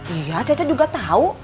iya cece juga tau